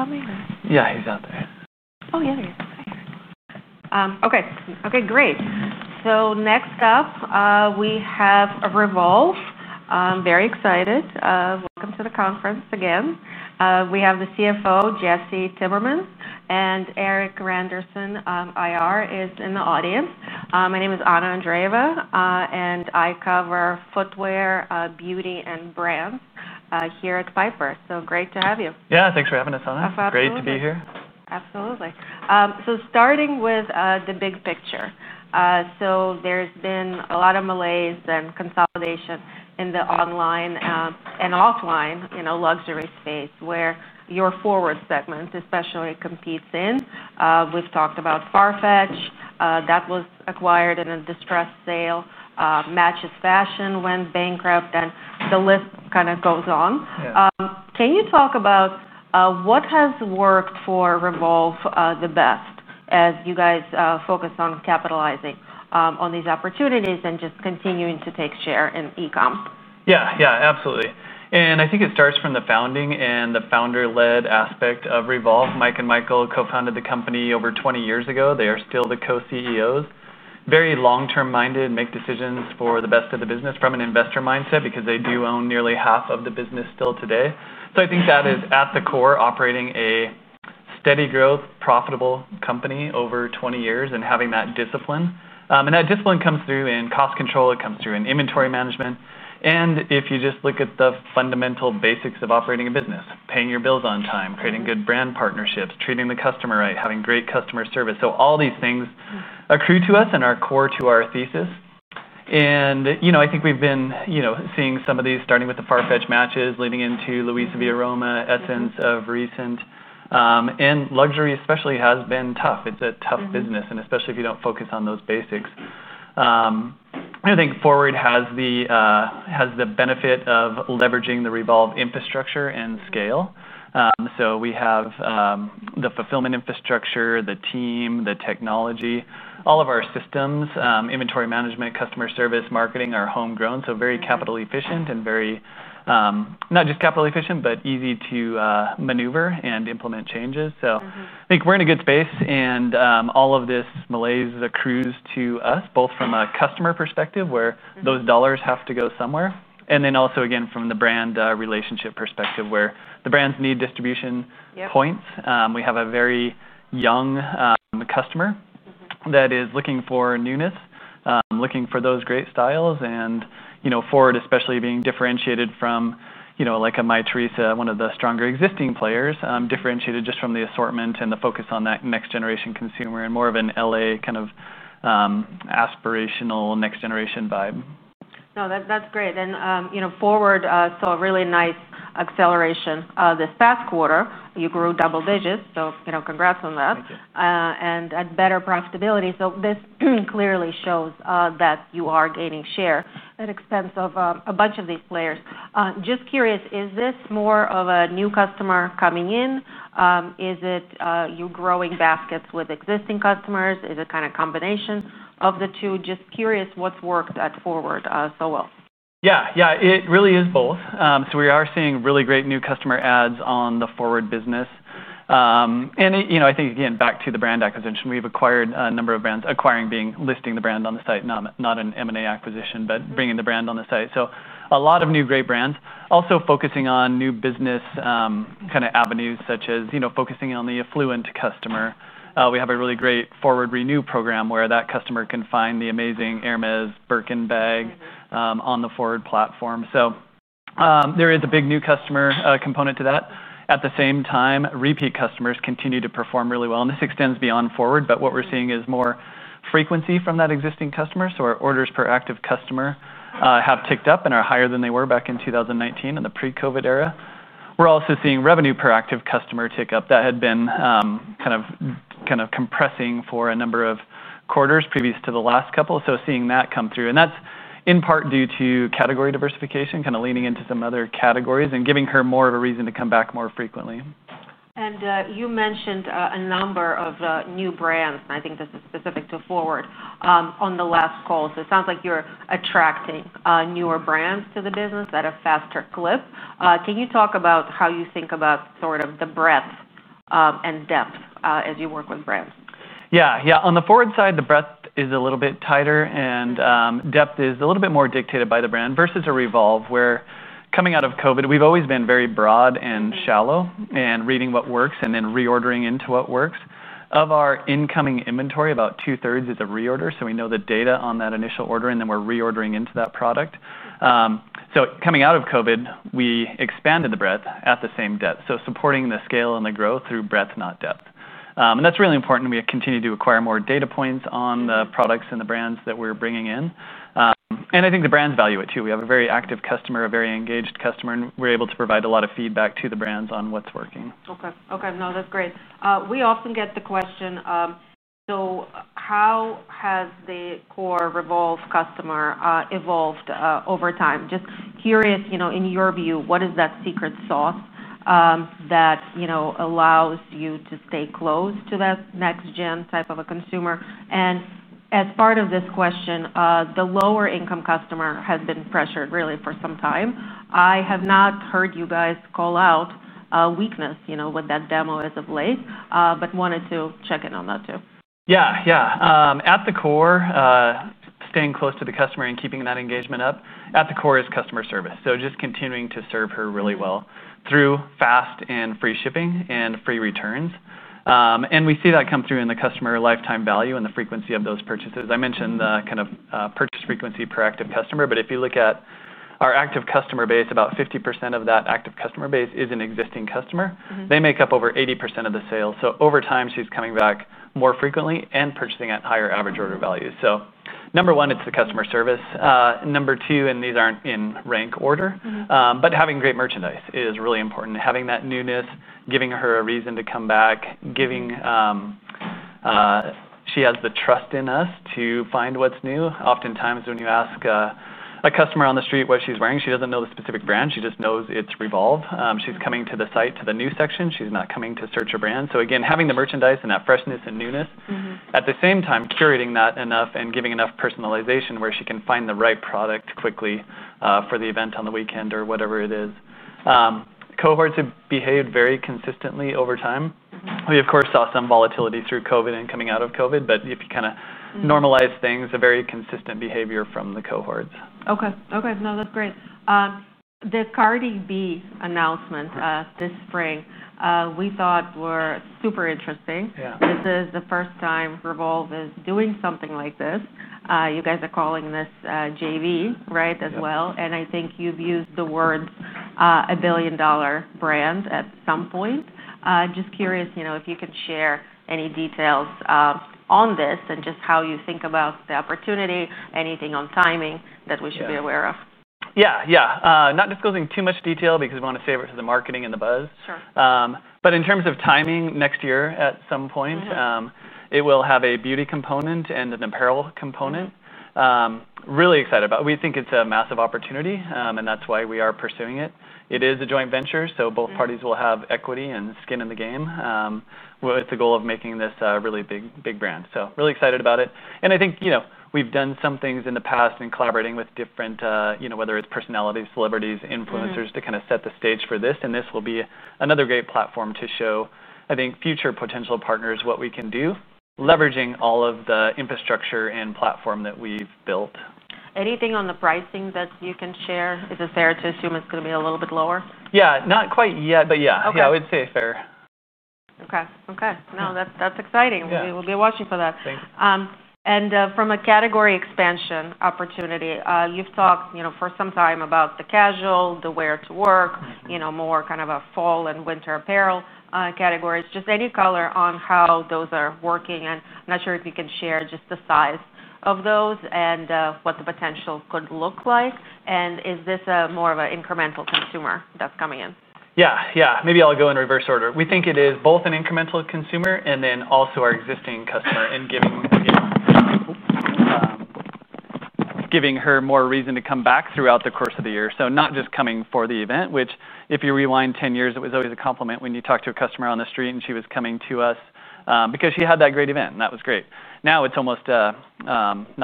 Erik's coming in. Yeah, he's out there. Oh, yeah, there he is. Thanks. Okay. Great. Next up, we have REVOLVE. I'm very excited. Welcome to the conference again. We have the CFO, Jesse Timmermans, and Erik Randerson, IR, is in the audience. My name is Ana Andreeva, and I cover footwear, beauty, and brands here at Piper. Great to have you. Yeah, thanks for having us, Ana. Great to be here. Absolutely. Starting with the big picture, there's been a lot of malaise and consolidation in the online and offline luxury space where your FWRD segment especially competes in. We've talked about Farfetch, that was acquired in a distressed sale, Matches Fashion went bankrupt, and the list kind of goes on. Can you talk about what has worked for Revolve the best as you guys focus on capitalizing on these opportunities and just continuing to take share in e-comm? Yeah, yeah, absolutely. I think it starts from the founding and the founder-led aspect of Revolve. Mike and Michael co-founded the company over 20 years ago. They are still the Co-CEOs. Very long-term minded and make decisions for the best of the business from an investor mindset because they do own nearly half of the business still today. I think that is at the core, operating a steady growth, profitable company over 20 years and having that discipline. That discipline comes through in cost control, it comes through in inventory management. If you just look at the fundamental basics of operating a business, paying your bills on time, creating good brand partnerships, treating the customer right, having great customer service, all these things accrue to us and are core to our thesis. I think we've been seeing some of these, starting with Farfetch, Matches Fashion, leading into Luisa via Roma, SSENSE of recent, and luxury especially has been tough. It's a tough business, especially if you don't focus on those basics. I think FWRD has the benefit of leveraging the Revolve infrastructure and scale. We have the fulfillment infrastructure, the team, the technology, all of our systems, inventory management, customer service, marketing are homegrown, so very capital efficient and very, not just capital efficient, but easy to maneuver and implement changes. I think we're in a good space and all of this malaise accrues to us, both from a customer perspective where those dollars have to go somewhere, and then also again from the brand relationship perspective where the brands need distribution points. We have a very young customer that is looking for newness, looking for those great styles, and FWRD especially being differentiated from, like a MyTheresa, one of the stronger existing players, differentiated just from the assortment and the focus on that next generation consumer and more of an LA kind of aspirational next generation vibe. No, that's great. You know, FWRD saw a really nice acceleration this past quarter. You grew double digits, so congrats on that, and at better profitability. This clearly shows that you are gaining share at the expense of a bunch of these players. Just curious, is this more of a new customer coming in? Is it you growing baskets with existing customers? Is it kind of a combination of the two? Just curious what's worked at FWRD so well. Yeah, it really is both. We are seeing really great new customer ads on the FWRD business. You know, I think again, back to the brand acquisition, we've acquired a number of brands, acquiring being listing the brand on the site, not an M&A acquisition, but bringing the brand on the site. A lot of new great brands, also focusing on new business kind of avenues, such as focusing on the affluent customer. We have a really great FWRD Renew program where that customer can find the amazing Hermès Birkin bag on the FWRD platform. There is a big new customer component to that. At the same time, repeat customers continue to perform really well, and this extends beyond FWRD, but what we're seeing is more frequency from that existing customer. Our orders per active customer have ticked up and are higher than they were back in 2019 in the pre-COVID era. We're also seeing revenue per active customer tick up that had been kind of compressing for a number of quarters previous to the last couple. Seeing that come through, and that's in part due to category diversification, kind of leaning into some other categories and giving her more of a reason to come back more frequently. You mentioned a number of new brands, and I think this is specific to FWRD on the last call. It sounds like you're attracting newer brands to the business at a faster clip. Can you talk about how you think about the breadth and depth as you work with brands? Yeah, on the FWRD side, the breadth is a little bit tighter and depth is a little bit more dictated by the brand versus REVOLVE, where coming out of COVID, we've always been very broad and shallow and reading what works and then reordering into what works. Of our incoming inventory, about two-thirds is a reorder. We know the data on that initial order and then we're reordering into that product. Coming out of COVID, we expanded the breadth at the same depth, supporting the scale and the growth through breadth, not depth. That's really important. We continue to acquire more data points on the products and the brands that we're bringing in. I think the brands value it too. We have a very active customer, a very engaged customer, and we're able to provide a lot of feedback to the brands on what's working. Okay, okay, no, that's great. We often get the question, how has the core REVOLVE customer evolved over time? Just curious, in your view, what is that secret sauce that allows you to stay close to that next gen type of a consumer? As part of this question, the lower income customer has been pressured really for some time. I have not heard you guys call out a weakness with that demo as of late, but wanted to check in on that too. Yeah, at the core, staying close to the customer and keeping that engagement up at the core is customer service. Just continuing to serve her really well through fast and free shipping and free returns. We see that come through in the customer lifetime value and the frequency of those purchases. I mentioned the kind of purchase frequency per active customer, but if you look at our active customer base, about 50% of that active customer base is an existing customer. They make up over 80% of the sales. Over time, she's coming back more frequently and purchasing at higher average order values. Number one, it's the customer service. Number two, and these aren't in rank order, but having great merchandise is really important. Having that newness, giving her a reason to come back, she has the trust in us to find what's new. Oftentimes, when you ask a customer on the street what she's wearing, she doesn't know the specific brand. She just knows it's REVOLVE. She's coming to the site, to the new section. She's not coming to search her brand. Again, having the merchandise and that freshness and newness, at the same time, curating that enough and giving enough personalization where she can find the right product quickly for the event on the weekend or whatever it is. Cohorts have behaved very consistently over time. We, of course, saw some volatility through COVID and coming out of COVID, but if you kind of normalize things, a very consistent behavior from the cohorts. Okay, okay, no, that's great. The Cardi B announcement this spring, we thought was super interesting. This is the first time REVOLVE is doing something like this. You guys are calling this JV, right, as well. I think you've used the word a billion dollar brand at some point. Just curious if you could share any details on this and just how you think about the opportunity, anything on timing that we should be aware of. Yeah, not disclosing too much detail because we want to save it to the marketing and the buzz. Sure. In terms of timing, next year at some point, it will have a beauty component and an apparel component. Really excited about it. We think it's a massive opportunity, and that's why we are pursuing it. It is a joint venture, so both parties will have equity and skin in the game with the goal of making this a really big brand. Really excited about it. I think we've done some things in the past in collaborating with different, you know, whether it's personalities, celebrities, influencers to kind of set the stage for this. This will be another great platform to show, I think, future potential partners what we can do, leveraging all of the infrastructure and platform that we've built. Anything on the pricing that you can share? Is it fair to assume it's going to be a little bit lower? Not quite yet, but yeah, I would say fair. Okay, okay, no, that's exciting. We'll be watching for that. From a category expansion opportunity, you've talked, you know, for some time about the casual, the wear to work, you know, more kind of a fall and winter apparel categories. Just any color on how those are working? I'm not sure if you can share just the size of those and what the potential could look like. Is this more of an incremental consumer that's coming in? Yeah, maybe I'll go in reverse order. We think it is both an incremental consumer and then also our existing customer and giving her more reason to come back throughout the course of the year. Not just coming for the event, which if you rewind 10 years, it was always a compliment when you talked to a customer on the street and she was coming to us because she had that great event and that was great. Now it's almost not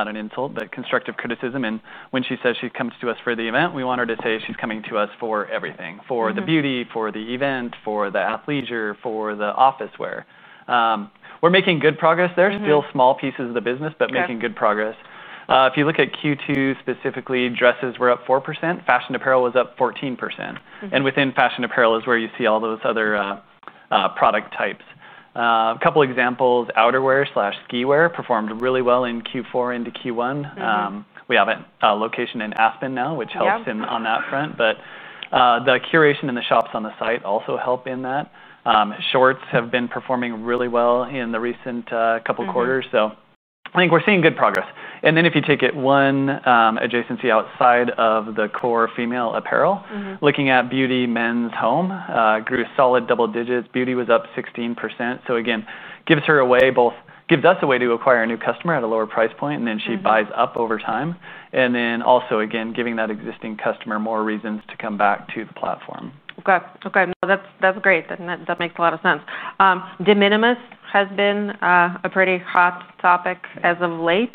an insult, but constructive criticism. When she says she comes to us for the event, we want her to say she's coming to us for everything, for the beauty, for the event, for the athleisure, for the office wear. We're making good progress there, still small pieces of the business, but making good progress. If you look at Q2 specifically, dresses were up 4%, fashion apparel was up 14%. Within fashion apparel is where you see all those other product types. A couple examples, outerwear slash skiwear performed really well in Q4 into Q1. We have a location in Aspen now, which helps on that front. The curation and the shops on the site also help in that. Shorts have been performing really well in the recent couple quarters. I think we're seeing good progress. If you take it one adjacency outside of the core female apparel, looking at beauty, men's, home grew solid double digits. Beauty was up 16%. Again, gives her a way, both gives us a way to acquire a new customer at a lower price point, and then she buys up over time. Also, again, giving that existing customer more reasons to come back to the platform. Okay, that's great. That makes a lot of sense. De minimis has been a pretty hot topic as of late.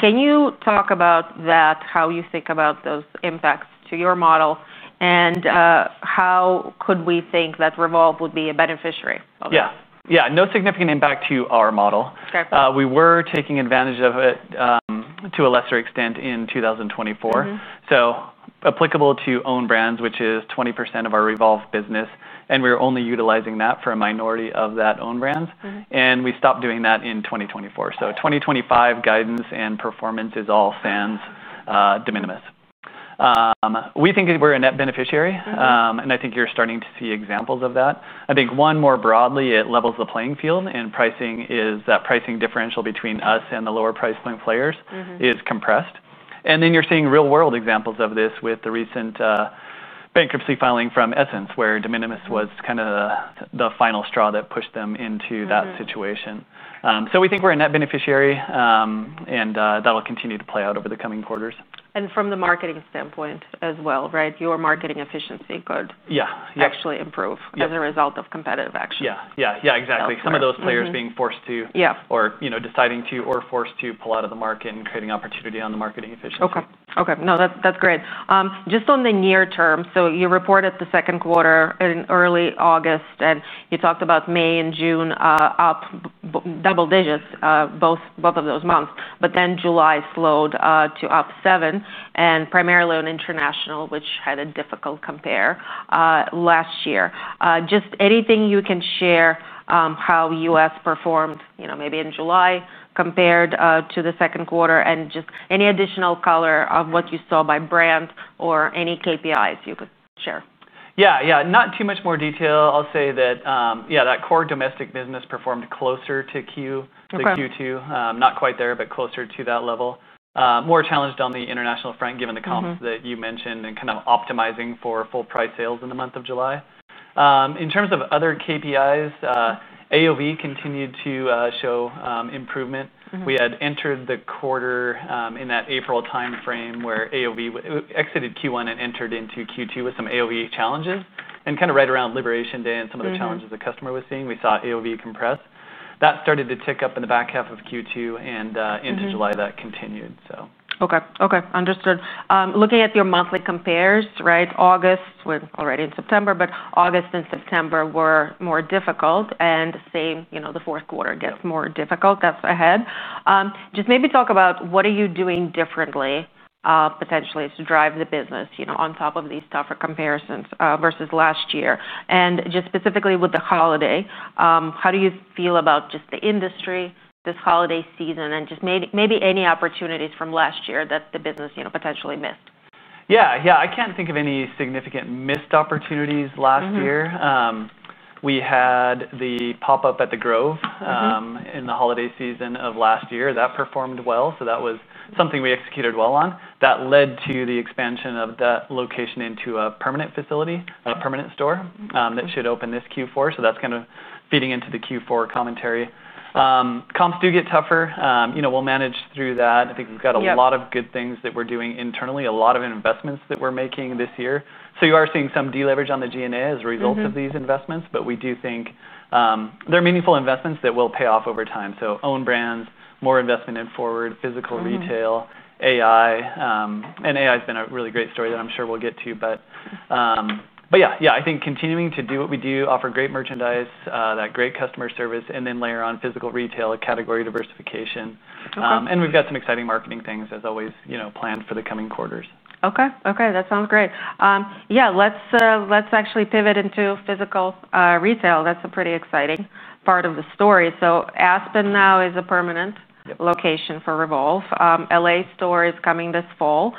Can you talk about that, how you think about those impacts to your model, and how could we think that Revolve would be a beneficiary of it? Yeah, yeah, no significant impact to our model. We were taking advantage of it to a lesser extent in 2024. Applicable to own brands, which is 20% of our REVOLVE business, and we were only utilizing that for a minority of that own brands. We stopped doing that in 2024. 2025 guidance and performance is all fans de minimis. We think we're a net beneficiary, and I think you're starting to see examples of that. More broadly, it levels the playing field and pricing, as that pricing differential between us and the lower price point players is compressed. You're seeing real world examples of this with the recent bankruptcy filing from Matches Fashion, where de minimis was kind of the final straw that pushed them into that situation. We think we're a net beneficiary, and that'll continue to play out over the coming quarters. From the marketing standpoint as well, right? Your marketing efficiency could actually improve as a result of competitive action. Yeah, exactly. Some of those players being forced to, or deciding to or forced to pull out of the market, creating opportunity on the marketing efficiency. Okay, that's great. Just on the near term, you reported the second quarter in early August, and you talked about May and June up double digits, both of those months, but then July slowed to up 7%, and primarily on international, which had a difficult compare last year. Is there anything you can share how U.S. performed, maybe in July compared to the second quarter, and any additional color of what you saw by brand or any KPIs you could share? Yeah, not too much more detail. I'll say that, yeah, that core domestic business performed closer to Q2, not quite there, but closer to that level. More challenged on the international front, given the comps that you mentioned, and kind of optimizing for full price sales in the month of July. In terms of other KPIs, AOV continued to show improvement. We had entered the quarter in that April timeframe where AOV exited Q1 and entered into Q2 with some AOV challenges, and right around Liberation Day and some of the challenges the customer was seeing, we saw AOV compress. That started to tick up in the back half of Q2, and into July that continued. Okay, understood. Looking at your monthly compares, right, August, already in September, but August and September were more difficult, and same, you know, the fourth quarter gets more difficult. That's ahead. Just maybe talk about what are you doing differently, potentially, to drive the business, you know, on top of these tougher comparisons versus last year. Specifically with the holiday, how do you feel about just the industry, this holiday season, and just maybe any opportunities from last year that the business, you know, potentially missed? Yeah, I can't think of any significant missed opportunities last year. We had the pop-up at The Grove in the holiday season of last year. That performed well, so that was something we executed well on. That led to the expansion of that location into a permanent facility, a permanent store that should open this Q4. That's kind of feeding into the Q4 commentary. Comps do get tougher. You know, we'll manage through that. I think we've got a lot of good things that we're doing internally, a lot of investments that we're making this year. You are seeing some deleverage on the G&A as a result of these investments, but we do think they're meaningful investments that will pay off over time. Own brands, more investment in FWRD, physical retail, AI, and AI has been a really great story that I'm sure we'll get to. I think continuing to do what we do, offer great merchandise, that great customer service, and then layer on physical retail, category diversification. We've got some exciting marketing things, as always, planned for the coming quarters. Okay, okay, that sounds great. Let's actually pivot into physical retail. That's a pretty exciting part of the story. Aspen now is a permanent location for REVOLVE. LA store is coming this fall.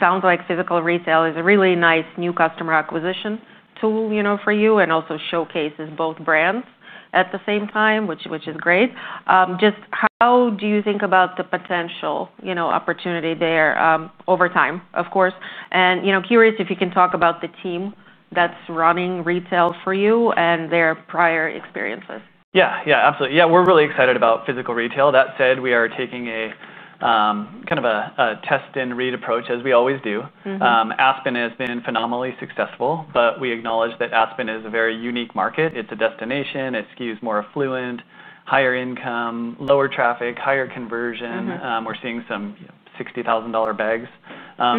Sounds like physical retail is a really nice new customer acquisition tool for you, and also showcases both brands at the same time, which is great. How do you think about the potential opportunity there over time? I'm curious if you can talk about the team that's running retail for you and their prior experiences. Yeah, yeah, absolutely. We're really excited about physical retail. That said, we are taking a kind of a test and read approach, as we always do. Aspen has been phenomenally successful, but we acknowledge that Aspen is a very unique market. It's a destination. It skews more affluent, higher income, lower traffic, higher conversion. We're seeing some $60,000 bags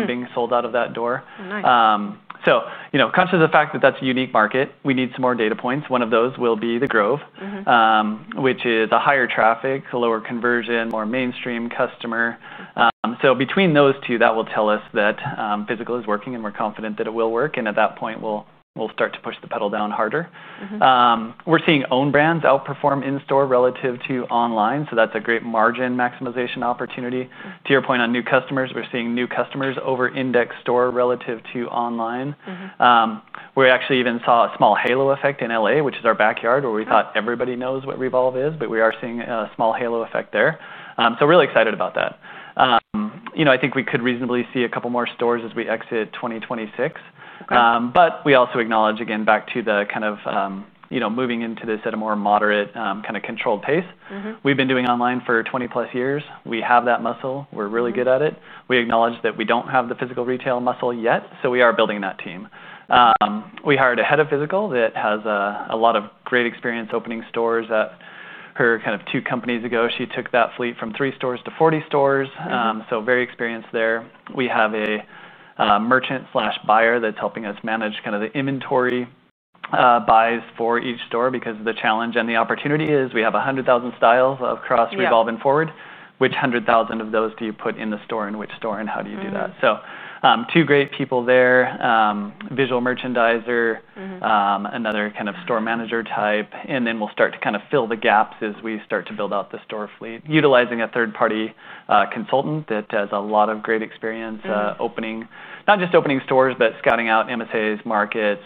being sold out of that door. Nice. Conscious of the fact that that's a unique market, we need some more data points. One of those will be The Grove, which is the higher traffic, lower conversion, more mainstream customer. Between those two, that will tell us that physical is working, and we're confident that it will work. At that point, we'll start to push the pedal down harder. We're seeing own brands outperform in-store relative to online, so that's a great margin maximization opportunity. To your point on new customers, we're seeing new customers over index store relative to online. We actually even saw a small halo effect in LA, which is our backyard, where we thought everybody knows what REVOLVE is, but we are seeing a small halo effect there. Really excited about that. I think we could reasonably see a couple more stores as we exit 2026. We also acknowledge, again, back to the kind of moving into this at a more moderate, kind of controlled pace. We've been doing online for 20+ years. We have that muscle. We're really good at it. We acknowledge that we don't have the physical retail muscle yet, so we are building that team. We hired a Head of Physical that has a lot of great experience opening stores. At her kind of two companies ago, she took that fleet from three stores to 40 stores, so very experienced there. We have a merchant/buyer that's helping us manage the inventory buys for each store because the challenge and the opportunity is we have 100,000 styles across REVOLVE and FWRD. Which 100,000 of those do you put in the store and which store and how do you do that? Two great people there, visual merchandiser, another kind of store manager type. Then we'll start to fill the gaps as we start to build out the store fleet, utilizing a third-party consultant that has a lot of great experience opening, not just opening stores, but scouting out MSAs, markets,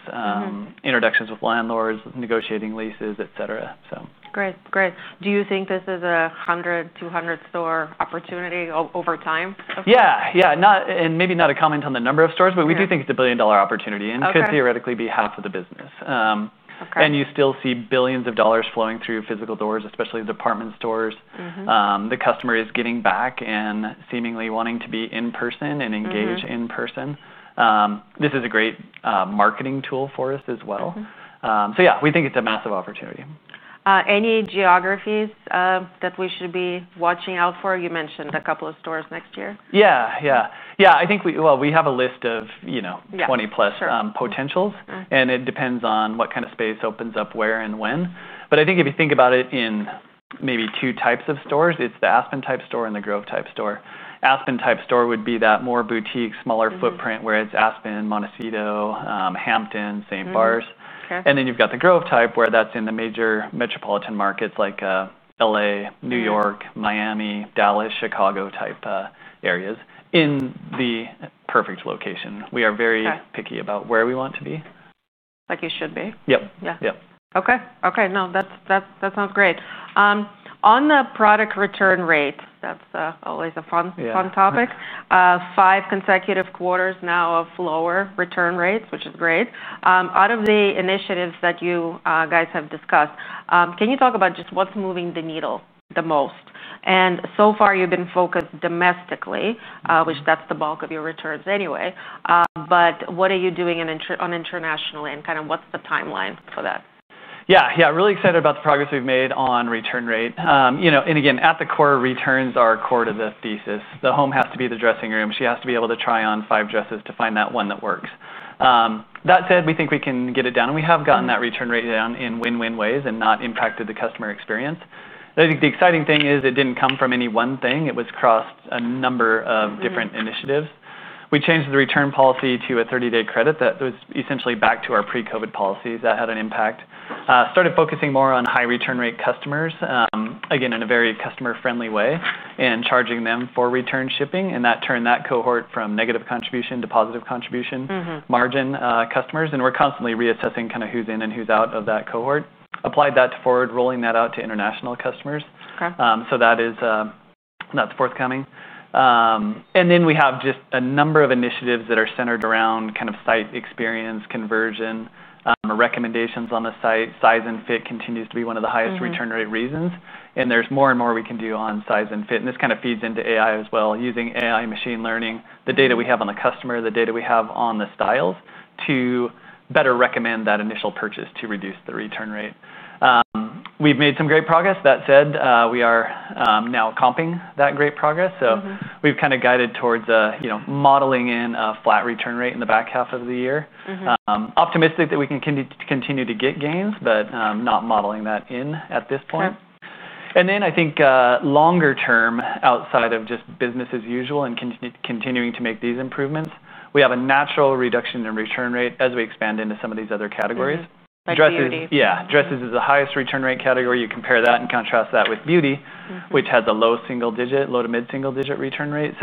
introductions with landlords, negotiating leases, etc. Great, great. Do you think this is a 100 or 200 store opportunity over time? Yeah, not a comment on the number of stores, but we do think it's a billion dollar opportunity and could theoretically be half of the business. You still see billions of dollars flowing through physical doors, especially department stores. The customer is getting back and seemingly wanting to be in person and engage in person. This is a great marketing tool for us as well. We think it's a massive opportunity. Any geographies that we should be watching out for? You mentioned a couple of stores next year. Yeah, I think we have a list of, you know, 20+ potentials, and it depends on what kind of space opens up where and when. If you think about it in maybe two types of stores, it's the Aspen type store and The Grove type store. Aspen type store would be that more boutique, smaller footprint where it's Aspen, Montecito, Hamptons, St. Barts. Then you've got The Grove type where that's in the major metropolitan markets like LA, New York, Miami, Dallas, Chicago type areas in the perfect location. We are very picky about where we want to be. Like you should be. Yep, yep. Okay, okay, no, that sounds great. On the product return rate, that's always a fun topic. Five consecutive quarters now of lower return rates, which is great. Out of the initiatives that you guys have discussed, can you talk about just what's moving the needle the most? So far you've been focused domestically, which that's the bulk of your returns anyway. What are you doing on internationally and kind of what's the timeline for that? Yeah, really excited about the progress we've made on return rate. At the core, returns are core to the thesis. The home has to be the dressing room. She has to be able to try on five dresses to find that one that works. That said, we think we can get it down. We have gotten that return rate down in win-win ways and not impacted the customer experience. The exciting thing is it didn't come from any one thing. It was across a number of different initiatives. We changed the return policy to a 30-day credit that was essentially back to our pre-COVID policies. That had an impact. Started focusing more on high return rate customers, again, in a very customer-friendly way and charging them for return shipping. That turned that cohort from negative contribution to positive contribution margin customers. We're constantly reassessing kind of who's in and who's out of that cohort. Applied that to FWRD, rolling that out to international customers. That is forthcoming. We have just a number of initiatives that are centered around site experience, conversion, recommendations on the site. Size and fit continues to be one of the highest return rate reasons. There's more and more we can do on size and fit. This kind of feeds into AI as well, using AI machine learning, the data we have on the customer, the data we have on the styles to better recommend that initial purchase to reduce the return rate. We've made some great progress. That said, we are now comping that great progress. We've kind of guided towards modeling in a flat return rate in the back half of the year. Optimistic that we can continue to get gains, but not modeling that in at this point. I think longer term, outside of just business as usual and continuing to make these improvements, we have a natural reduction in return rate as we expand into some of these other categories. Like beauty? Yeah, dresses is the highest return rate category. You compare that and contrast that with beauty, which has a low single-digit, low to mid single-digit return rate.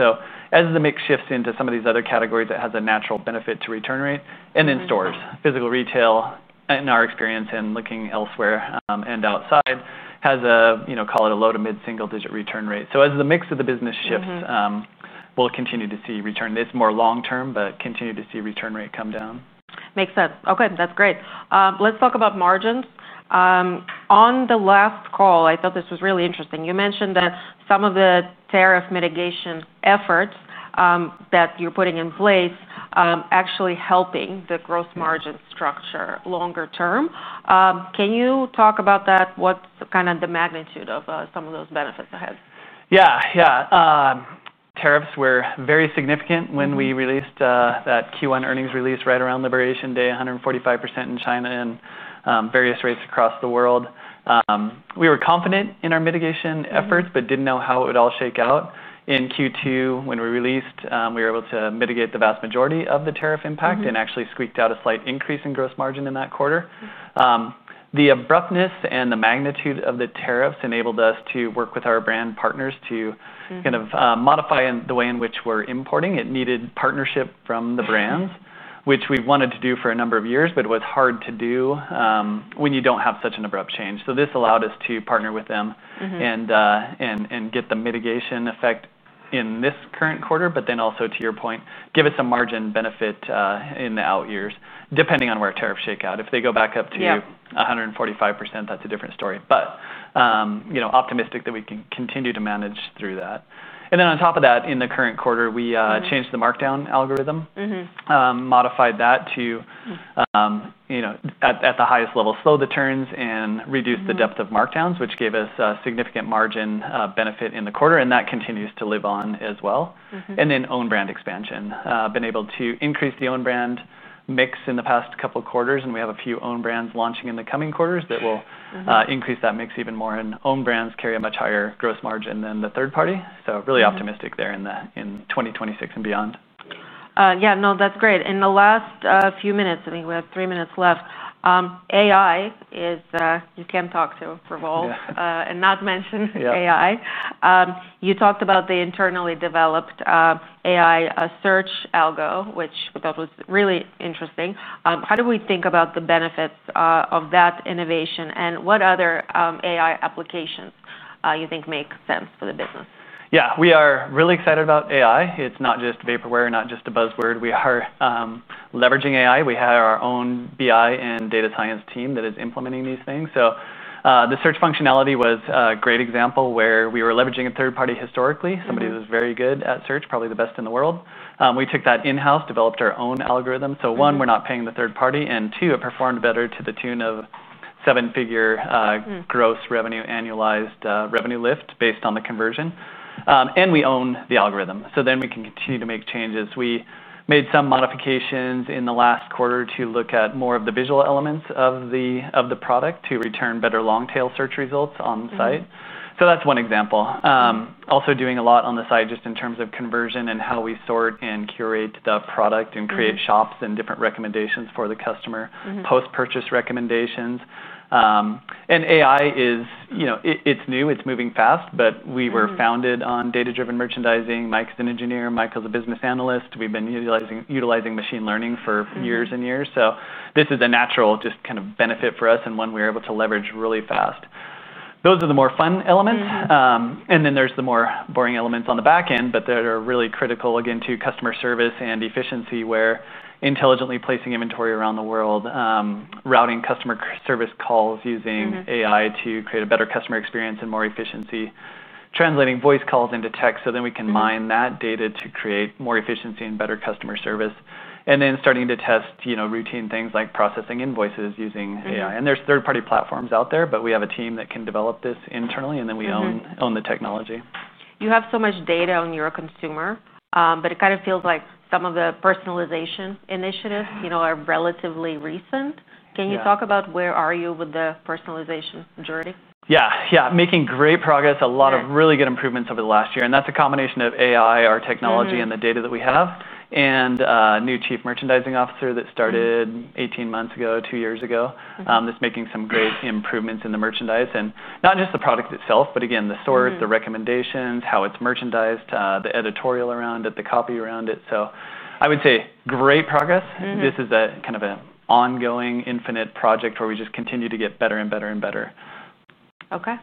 As the mix shifts into some of these other categories, it has a natural benefit to return rate. In stores, physical retail, in our experience and looking elsewhere and outside, has a, you know, call it a low to mid single-digit return rate. As the mix of the business shifts, we'll continue to see return. It's more long term, but continue to see return rate come down. Makes sense. Okay, that's great. Let's talk about margins. On the last call, I thought this was really interesting. You mentioned that some of the tariff mitigation efforts that you're putting in place are actually helping the gross margin structure longer term. Can you talk about that? What's kind of the magnitude of some of those benefits ahead? Yeah, yeah. Tariffs were very significant when we released that Q1 earnings release right around Liberation Day, 145% in China and various rates across the world. We were confident in our mitigation efforts, but didn't know how it would all shake out. In Q2, when we released, we were able to mitigate the vast majority of the tariff impact and actually squeaked out a slight increase in gross margin in that quarter. The abruptness and the magnitude of the tariffs enabled us to work with our brand partners to kind of modify the way in which we're importing. It needed partnership from the brands, which we wanted to do for a number of years, but it was hard to do when you don't have such an abrupt change. This allowed us to partner with them and get the mitigation effect in this current quarter, but then also, to your point, give us a margin benefit in the out years, depending on where tariffs shake out. If they go back up to 145%, that's a different story. You know, optimistic that we can continue to manage through that. In the current quarter, we changed the markdown algorithm, modified that to, you know, at the highest level, slow the turns and reduce the depth of markdowns, which gave us a significant margin benefit in the quarter, and that continues to live on as well. Own brand expansion, been able to increase the own brand mix in the past couple quarters, and we have a few own brands launching in the coming quarters that will increase that mix even more, and own brands carry a much higher gross margin than the third party. Really optimistic there in 2026 and beyond. Yeah, no, that's great. In the last few minutes, I think we have 3 minutes left. AI is, you can't talk to Revolve and not mention AI. You talked about the internally developed AI search algo, which we thought was really interesting. How do we think about the benefits of that innovation and what other AI applications you think make sense for the business? Yeah, we are really excited about AI. It's not just vaporware, not just a buzzword. We are leveraging AI. We have our own BI and data science team that is implementing these things. The search functionality was a great example where we were leveraging a third party historically, somebody who was very good at search, probably the best in the world. We took that in-house, developed our own algorithm. One, we're not paying the third party, and two, it performed better to the tune of seven-figure gross revenue annualized revenue lift based on the conversion. We own the algorithm, so we can continue to make changes. We made some modifications in the last quarter to look at more of the visual elements of the product to return better long-tail search results on site. That's one example. Also doing a lot on the side just in terms of conversion and how we sort and curate the product and create shops and different recommendations for the customer, post-purchase recommendations. AI is, you know, it's new, it's moving fast, but we were founded on data-driven merchandising. Mike's an engineer, Michael's a business analyst. We've been utilizing machine learning for years and years. This is a natural just kind of benefit for us and one we're able to leverage really fast. Those are the more fun elements. There are also the more boring elements on the back end, but that are really critical again to customer service and efficiency, where intelligently placing inventory around the world, routing customer service calls using AI to create a better customer experience and more efficiency, translating voice calls into text. We can mine that data to create more efficiency and better customer service. Starting to test routine things like processing invoices using AI. There are third-party platforms out there, but we have a team that can develop this internally, and then we own the technology. You have so much data on your consumer, but it kind of feels like some of the personalization initiatives are relatively recent. Can you talk about where are you with the personalization journey? Yeah, making great progress, a lot of really good improvements over the last year. That's a combination of AI, our technology, and the data that we have. A new Chief Merchandising Officer that started 18 months ago, two years ago, is making some great improvements in the merchandise. Not just the product itself, but again, the sort, the recommendations, how it's merchandised, the editorial around it, the copy around it. I would say great progress. This is a kind of an ongoing infinite project where we just continue to get better and better and better. Okay,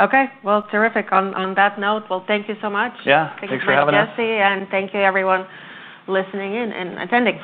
okay, terrific. On that note, thank you so much. Yeah, thanks for having us. Thank you, everyone, listening in and attending.